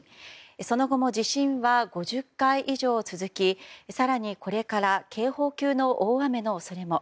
その後も地震は５０回以上続き更に、これから警報級の大雨の恐れも。